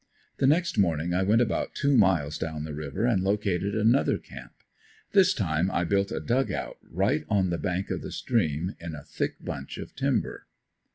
The next morning I went about two miles down the river and located another camp. This time I built a dug out right on the bank of the stream, in a thick bunch of timber.